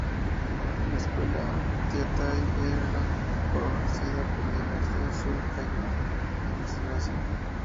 La escuela Tiantai, que era favorecida por la dinastía Sui, cayó en desgracia.